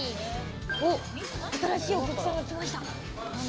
新しいお客さんが来ました。